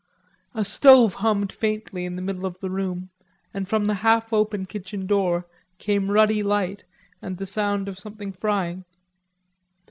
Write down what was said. A stove hummed faintly in the middle of the room, and from the half open kitchen door came ruddy light and the sound of something frying.